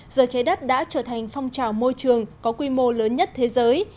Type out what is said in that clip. giờ trái đất đã trở thành phong trào môi trường có quy mô lớn nhất thế giới